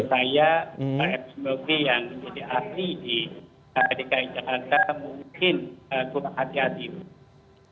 saya pak ems mokri yang menjadi ahli di kdi jakarta mungkin harus hati hati